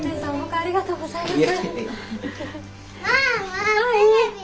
ありがとうございます。